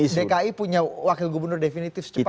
pki punya wakil gubernur definitif secepatnya